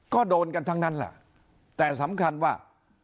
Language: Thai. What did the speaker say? ก็โดนกันทั้งนั้นแหละแต่สำคัญว่า